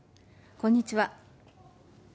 こんにちは。